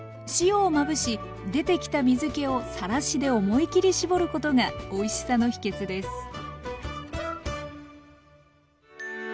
塩をまぶし出てきた水けをさらしで思い切り絞ることがおいしさの秘けつです。